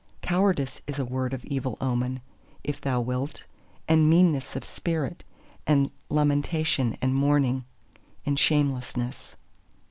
Cowardice is a word of evil omen, if thou wilt, and meanness of spirit, and lamentation and mourning, and shamelessness.